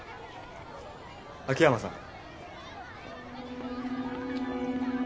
・秋山さん。